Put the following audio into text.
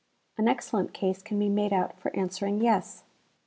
An excellent case can be made out for answering yes.